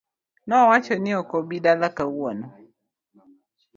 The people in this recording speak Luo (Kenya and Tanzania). Nowacho ni ok obi dala kawuono